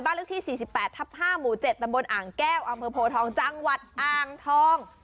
เลขที่๔๘ทับ๕หมู่๗ตำบลอ่างแก้วอำเภอโพทองจังหวัดอ่างทอง